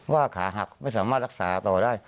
ขาหักไม่สามารถรักษาต่อได้